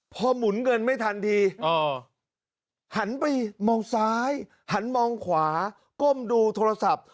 พอหมุนเงินไม่ทันทีหันไปมองซ้ายหันมองขวาก้มดูโทรศัพท์